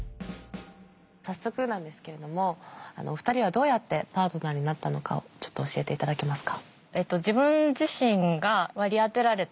早速なんですけれどもお二人はどうやってパートナーになったのかをちょっと教えていただけますか？